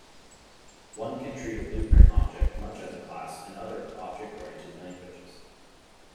One can treat a blueprint object much as a class in other object-oriented languages.